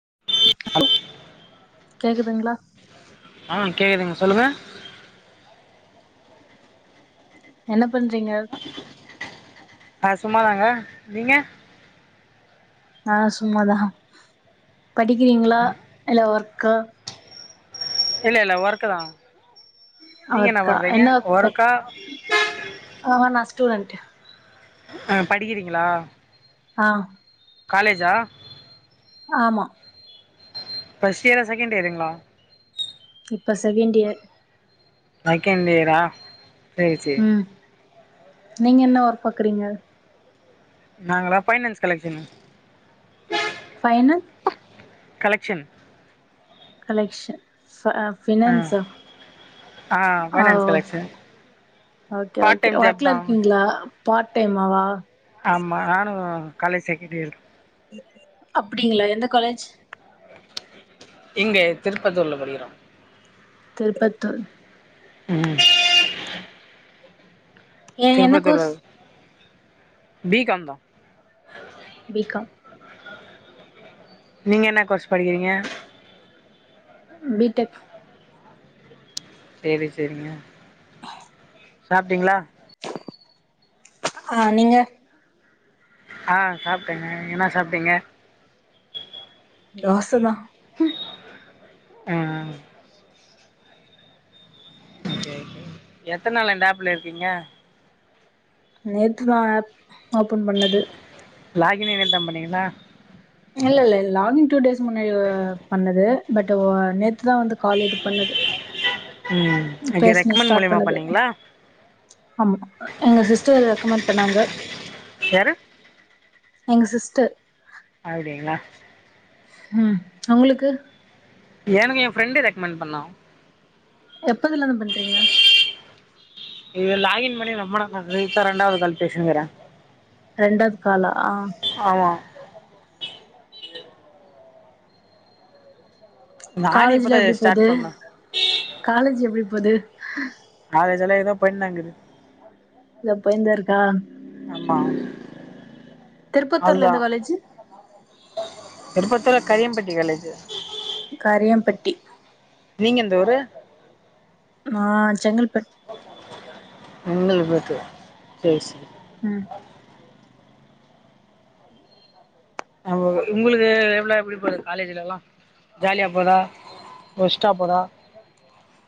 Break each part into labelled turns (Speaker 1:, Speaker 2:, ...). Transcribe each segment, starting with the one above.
Speaker 1: [inaudible]
Speaker 2: கேக்குதுங்களா?
Speaker 1: ஆ கேக்குதுங்க சொல்லுங்க
Speaker 2: என்ன பண்றீங்க?
Speaker 1: ஆ சும்மாதாங்க நீங்க
Speaker 2: நா சும்மாதா படிக்கிறீங்களா இல்ல ஒர்க்கா
Speaker 1: இல்ல இல்ல ஒர்க்குதா
Speaker 2: ஆ ஒர்க்கா என்னா பொ ஆஹா நா ஸ்டூடண்ட்
Speaker 1: ஆ படிக்கிறீங்களா?
Speaker 2: ஆ
Speaker 1: காலேஜா?
Speaker 2: ஆமா.
Speaker 1: ஃபஸ்ட் இயரா செகண்ட் இயருங்களா
Speaker 2: இப்ப செகண்ட் இயர்
Speaker 1: செகண்ட் இயரா செச்சே
Speaker 2: ம் நீங்க என்னா ஒர்க் பாக்குறீங்க
Speaker 1: நாங்களா பைனான்ஸ் கலெக்க்ஷன்
Speaker 2: பைன
Speaker 1: கலெக்க்ஷன்
Speaker 2: கலெக்க்ஷன்
Speaker 1: ஆ
Speaker 2: பினான்ஸ
Speaker 1: ஆ finance collection
Speaker 2: okay
Speaker 1: part
Speaker 2: okay
Speaker 1: time job
Speaker 2: ஒர்க்ல
Speaker 1: தா
Speaker 2: இருக்கீங்ளா பாட் பாட் டைமாவ
Speaker 1: ஆமா நானு காலேஜ் செகன்டு இயரு
Speaker 2: அப்டிங்ளா எந்த காலேஜ்
Speaker 1: இங்க திருப்பத்தூர்ல படிக்குறா
Speaker 2: திருப்பத்தூர்
Speaker 1: உம்
Speaker 2: ஏ என்ன கோர்ஸ்
Speaker 1: பீ காம்தா
Speaker 2: பி காம்
Speaker 1: நீங்க என்ன கோர்ஸ் படிக்குறீங்க
Speaker 2: பி டெக்
Speaker 1: சேரி சேரிங்க சாப்ட்டீங்ளா
Speaker 2: ஆ நீங்க
Speaker 1: ஆ சாப்ட்டேங்க நீங்க என்னா சாப்ட்டீங்க
Speaker 2: தோச தா
Speaker 1: ஆ ஆ எத்தன நாளா இந்த ஆப்ல இருக்கீங்க
Speaker 2: நேத்துதா ஆப் ஓபன் பண்ணது
Speaker 1: லாகினே தா பண்ணீங்கங்களா
Speaker 2: இல்ல இல்ல லாகின் டூடேஸ் முன்னடி பண்ணது பட் நேத்துதா வந்து கால் இது பண்ணது
Speaker 1: ம் ஓகே
Speaker 2: பேசன
Speaker 1: ரெக்கமெண்ட்
Speaker 2: ஸ்டாட்
Speaker 1: மூலியமா
Speaker 2: பண்ணது
Speaker 1: பண்ணீங்களா
Speaker 2: ஆமா எங்க சிஸ்டர் ரெக்கமெண்ட் சொன்னாங்க
Speaker 1: யாரு
Speaker 2: எங்க சிஸ்டர்
Speaker 1: அப்டிங்ளா
Speaker 2: உம் ஒங்களுக்கு
Speaker 1: எனக்கு எ ஃப்ரண்டு ரெக்கமெண்ட் பண்ணா
Speaker 2: எப்பதுல இருந்து பண்றீங்க
Speaker 1: இது லாகின் பண்ணி ரொம்ப நாள் ஆகுது இதா இரண்டாவது கால் பேசுங்கிறே
Speaker 2: இரண்டாவது காலா ஆஹ்
Speaker 1: நானு இப்பதா
Speaker 2: காலேஜ்லாம் எப்படி போகுது
Speaker 1: ஸ்டார்ட் பண்ணே
Speaker 2: காலேஜ் எப்படி போகுது ம்ம்
Speaker 1: காலேஜ் எல்லாம் எதோ போய்டு தான் இருக்குது
Speaker 2: இதோ போய்ந்து தான் இருக்கு ஆஹ்
Speaker 1: ஆமாம்
Speaker 2: திருப்பத்தூர்ல எந்த
Speaker 1: அதுதான்
Speaker 2: காலேஜ்
Speaker 1: இப்போதிக்கு கரியம் பட்டி காலேஜ்
Speaker 2: கரியம் பட்டி
Speaker 1: நீங்க எந்த ஊரு
Speaker 2: நான் செங்கல்பட்டு பட்
Speaker 1: உங்களுக்கு சரி
Speaker 2: உம்
Speaker 1: ஆமா உங்களுக்கு எவ்வளவு எப்படி போது காலேஜ்ல எல்லாம் ஜாலியா போதா ஒஷ்டா போதா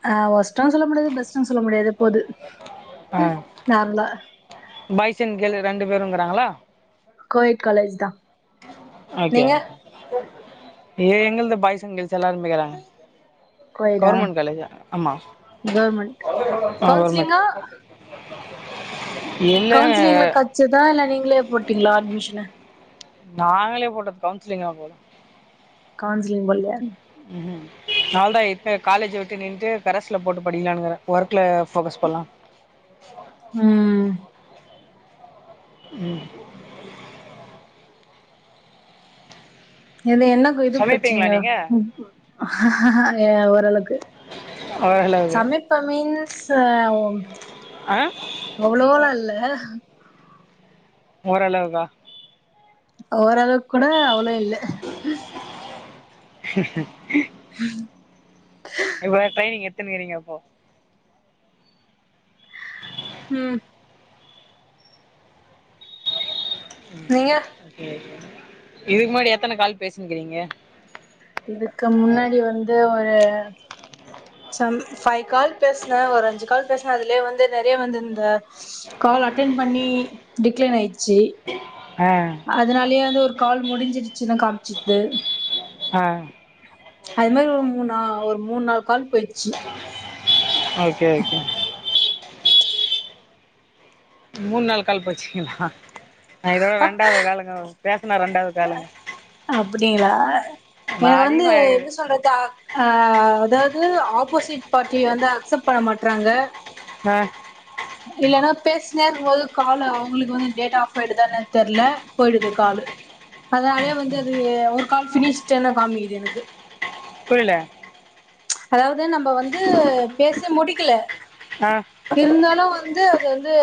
Speaker 2: ஆஹ ஒஷ்டும்னு சொல்ல முடியாது பெஸ்ட் பெஸ்ட் சொல்ல முடியாது போது
Speaker 1: ஆ
Speaker 2: நார்மலா
Speaker 1: பாய்ஸ் அன்டு கேல் ரெண்டு பேரும் பேறாங்களா
Speaker 2: கோயடு காலேஜ் தான்
Speaker 1: ஓகே ஏ எங்களது பாய்ஸ் அண்டு கேர்ள்ஸ் எல்லாமே படிக்கிறாங்க
Speaker 2: கோயடா
Speaker 1: கவர்மெண்ட் காலேஜ் ஆமா
Speaker 2: கவர்மெண்ட்
Speaker 1: கவர்மெண்ட் [unintelligible] இல்லங்க
Speaker 2: கவுன்சிலிங்குல கெடச்சதா இல்ல நீங்க முன்னாலே போட்டீங்களா அட்மிஷனு
Speaker 1: நாங்களே போட்டது கவுன்சிலிங்கா போடல
Speaker 2: கவுன்சிலிங்க போல
Speaker 1: ம் நால தான் காலேஜ் விட்டு நின்ட்டு கரஸ்ல போட்டு படிக்கலான்ங்கிறேன் ஒர்க்ல போக்கஸ் பண்ணலாம்
Speaker 2: உஹம்
Speaker 1: உம்
Speaker 2: இது என்னக்கு இது
Speaker 1: சமைப்பீங்களா
Speaker 2: பசங்க
Speaker 1: நீங்க
Speaker 2: ஓரளவுக்கு
Speaker 1: ஓரளவுக்கு
Speaker 2: சமைப்ப மீன்ஸ்
Speaker 1: ஆ
Speaker 2: அவ்வளோல இல்ல [inaudible]
Speaker 1: ஓரளவுகா
Speaker 2: ஓர கூட அவ்ளோ இல்லை
Speaker 1: [inaudible]
Speaker 2: ஹம்
Speaker 1: இப்ப தான் ட்ரைனிங் ட்ரைனிங் அப்போ
Speaker 2: உம்
Speaker 1: உஹம்
Speaker 2: நீங்க
Speaker 1: ஓகே இதுக்கு முன்னாடி எத்தனை கால் பேசினுக்கிறீங்க
Speaker 2: இதுக்கு முன்னாடி வந்து ஒரு சை ஃபைவ் கால் பேசனேன் ஒரு அஞ்சு கால் பேசனேன் அதுலயே வந்து நெறய கால் அட்டெண்ட் பண்ணி டிக்ளன் ஆயிச்சு
Speaker 1: ஆ
Speaker 2: செர் அதனாலயே வந்து ஒரு கால் முடிஞ்சு திருச்சின்னு காமிச்சிது
Speaker 1: ஆஹ்
Speaker 2: அது மாதிரி ஒரு மூணு ஒரு மூணு நாலு கால் போயிடுச்சு
Speaker 1: ஆ ஒகே ஒகே மூணு நாலு கால் போச்சுக்கங்களங்களா ரெண்டாவது காலுங்க
Speaker 2: அப்படிங்களா
Speaker 1: நான்
Speaker 2: எனக்கு வந்து
Speaker 1: அதிகமா
Speaker 2: என்ன சொல்றது அஹ் அதாவது ஆப்போசிட் பார்ட்டிய வந்து அக்செப்ட் பண்ண மாட்டறாங்க
Speaker 1: ஆஹ்
Speaker 2: இல்லலைன்னா பேசினேருக்கும் போது கால் அவங்களுக்கு வந்து டேட் ஆப் எ தான் தெரியல போயிடுது கால அதனாலே வந்து அது ஒரு கால் பினிஷ்ட்னு காமிக்குது எனக்கு
Speaker 1: புரில
Speaker 2: அதாவது நம்ம வந்து பேசியே முடிக்கல
Speaker 1: ஆ
Speaker 2: இருந்தாலும் வந்து வந்து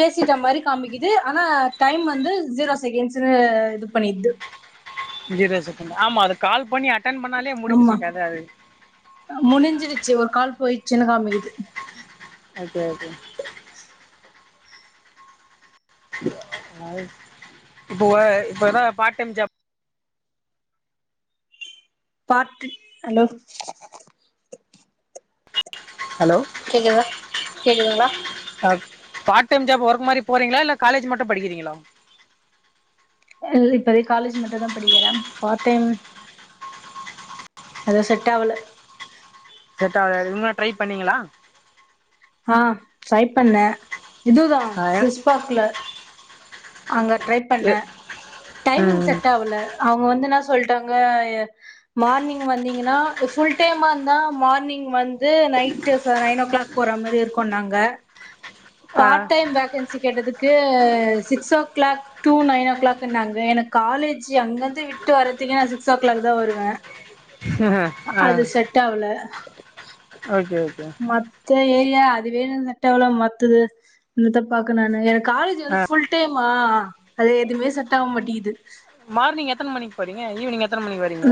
Speaker 2: பேசிட்ட மாதிரி காமிக்குது ஆனா டைம் வந்து ஜீரோ செகண்ட்ஸ்ன்னு இது பண்ணிருது
Speaker 1: ஜீரோ செகண்ட் ஆமா அது கால் பண்ணி ன் பண்ணாலே
Speaker 2: ஆமா
Speaker 1: முடிஞச்சு கதை அது
Speaker 2: ச்சு ஒரு கால் போயிடுச்சுனு காமிக்கிது
Speaker 1: அதுே அதுே
Speaker 2: [inaudible]
Speaker 1: இப்போ இப்ப தான் part time job
Speaker 2: part hello
Speaker 1: hello
Speaker 2: கேக்குதா கேக்குதுங்களா
Speaker 1: ஆ பார்ட் டைம் ஜாப் ஒர்க் மாதிரி போறீங்களா இல்ல காலேஜ் மட்டும் படிக்கிறீங்களா
Speaker 2: இல்ல இப்போதைக்கு காலேஜ் மட்டும் தான் படிக்கிறேன் பார்டைம் அது செட்டாகல
Speaker 1: செட்டாவள இவுங்க ட்ரை பண்ணீங்களா
Speaker 2: ஆ ட்ரை பண்ணே இதுதா
Speaker 1: ஆ எ-
Speaker 2: சுவிஸ் பாக்ல அங்க ட்ரை பண்ணே
Speaker 1: எ- ம்
Speaker 2: டைமிங்செட் ஆவுல அவுங்க வந்துனாஸ் சொல்ட்டாங்க மார்னிங் வந்தீங்கன்னா ஃபுல் டைம்மா இருந்தா மார்னிங் வந்து நைட்டு ச நைன் ஓ கிளாக் போற மாரி இருக்குன்னாங்க
Speaker 1: ஆ
Speaker 2: பார்ட் டைம் வேக்கன்சி கேட்டது கே six o'clock to nine ஓ கிளாக்னாங்க எனக்கு காலேஜ் அங்கந்து விட்டு வரத்துக்கே நா சிக்ஸ் ஓ கிளாக்தா வருவே
Speaker 1: ஆ
Speaker 2: அது செட் ஆவுல
Speaker 1: ஓகே ஓகே
Speaker 2: தியா அது வேணுட்டவள மாத்தது இந்த பாக்க நானு எனக்கு கால்
Speaker 1: ஆ
Speaker 2: ஃபுல்டேம் ஆ அது எதுமே செட் ஆவமாட்டிக்குது
Speaker 1: மார்னிங் எத்தனை மணிக்கு பரிங்க ஈவினிங் எத்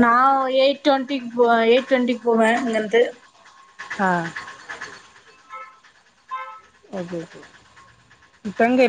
Speaker 2: நா எயட்டு டொன் ட்டிக்போ எயிட் டுவெண்டிக்கு போவே இங்கிந்து
Speaker 1: ஆ ஓகே கே இப்பேங்கப்